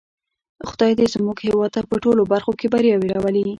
خدای دې زموږ هېواد ته په ټولو برخو کې بریاوې راولی.